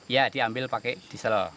ya diambil pakai diesel